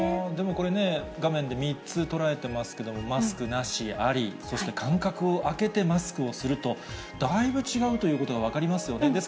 でもこれね、画面で３つ捉えてますけど、マスクなし、あり、そして間隔を空けて、マスクをすると、だいぶ違うということが分かりますよね。